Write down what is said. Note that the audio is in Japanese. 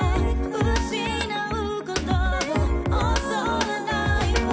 「失うことを恐れないわ」